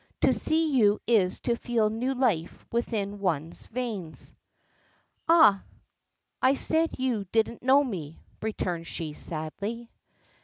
To see you is to feel new life within one's veins." "Ah! I said you didn't know me," returns she sadly.